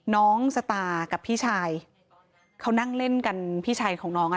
น้องสตากับพี่ชายเขานั่งเล่นกันพี่ชายของน้อง